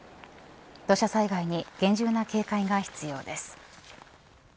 土砂災害に厳重な警戒が必要です。